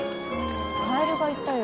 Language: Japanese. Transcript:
カエルがいたよ。